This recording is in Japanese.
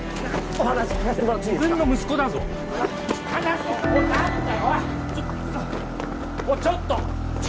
おいちょっと！